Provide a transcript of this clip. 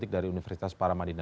dari universitas paramadina